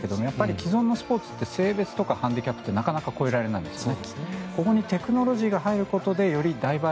既存のスポーツって性別とかハンディキャップってなかなか超えられないんですね。